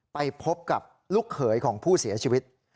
ไปพบกับลูกเขยของผู้เสียชีวิต